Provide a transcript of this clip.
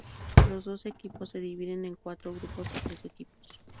Los doce equipos se dividen en cuatro grupos de tres equipos.